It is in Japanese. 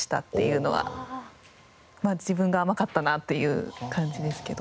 自分が甘かったなっていう感じですけど。